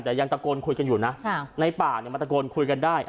แต่ยังตะโกนคุยกันอยู่นะในป่าเนี่ยมันตะโกนคุยกันได้